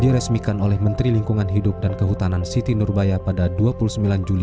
diresmikan oleh menteri lingkungan hidup dan kehutanan siti nurbaya pada dua puluh sembilan juli dua ribu tujuh belas